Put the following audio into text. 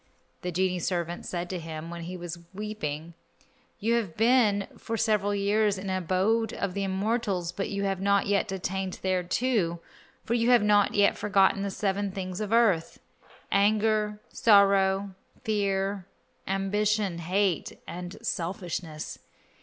The genie servant said to him when he saw him weeping, "You have been for several years in the abode of the immortals, but you have not yet attained thereto, for you have not yet forgotten the seven things of earth: anger, sorrow, fear, ambition, hate and selfishness.